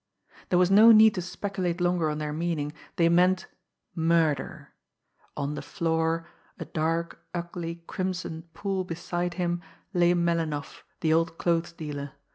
There was no need to speculate longer on their meaning; they meant murder. On the floor, a dark ugly, crimson pool beside him, lay Melinoff, the old clothes dealer.